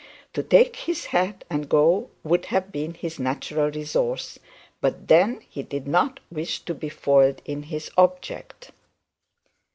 To take his hat and go would have been his natural resource; but then he did not wish to be foiled in his subject.